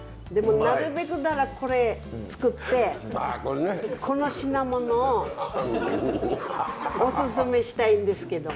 でもなるべくならこれ作ってこの品物をオススメしたいんですけど。